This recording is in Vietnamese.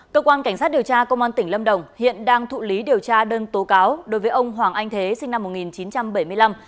cơ quan cảnh sát điều tra công an tỉnh lâm đồng hiện đang thụ lý điều tra đơn tố cáo đối với ông hoàng anh thế sinh năm một nghìn chín trăm bảy mươi năm